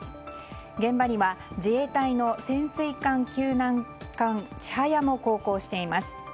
現場には、自衛隊の潜水艦救難艦「ちはや」も航行しています。